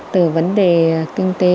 từ vấn đề kinh tế